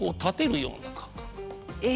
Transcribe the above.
え？